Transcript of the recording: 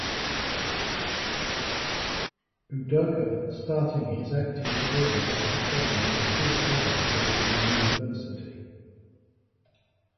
Udoka starting his acting career by performing in school plays while in the University.